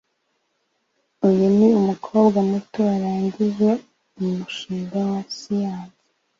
Uyu ni umukobwa muto warangije umushinga wa siyanse